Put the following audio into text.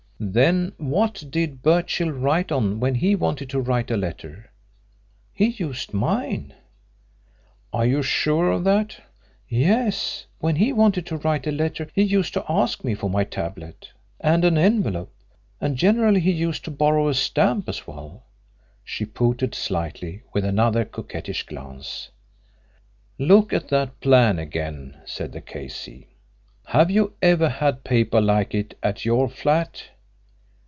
"Then what did Birchill write on when he wanted to write a letter?" "He used mine." "Are you sure of that?" "Yes. When he wanted to write a letter he used to ask me for my tablet and an envelope. And generally he used to borrow a stamp as well." She pouted slightly, with another coquettish glance. "Look at that plan again," said the K.C. "Have you ever had paper like it at your flat?"